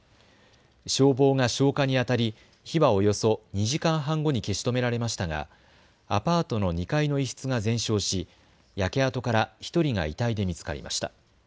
消防が消火にあたり火はおよそ２時間半後に消し止められましたがアパートの２階の一室が全焼し焼け跡から１人が遺体で見つかりました。